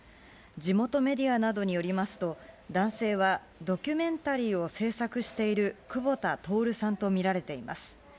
地元メディアなどによりますと、男性はドキュメンタリーを制作している久保田徹さんと見られています。